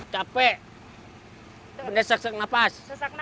capek sesak sesak nafas